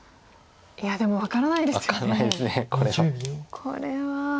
これは。